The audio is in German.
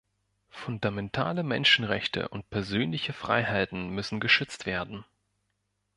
Fundamentale Menschenrechte und persönliche Freiheiten müssen geschützt werden.